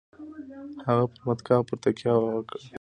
هغه پر متکاوو پر تکیه وه.